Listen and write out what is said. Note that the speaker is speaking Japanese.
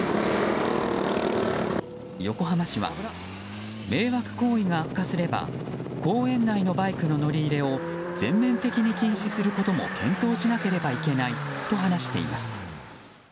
横浜市は、迷惑行為が悪化すれば公園内のバイクの乗り入れを全面的に禁止することも検討しなければいけないと話しています。